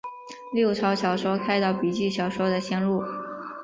六朝小说开导笔记小说的先路。